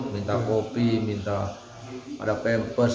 minta kopi minta ada pempers